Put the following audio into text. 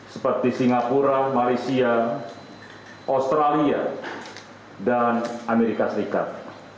seperti singapura malaysia australia dan amerika serikat